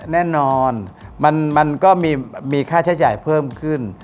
แน่นอนมันก็มีค่าใช้จ่ายเพิ่มขึ้น